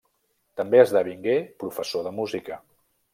També esdevingué professor de música.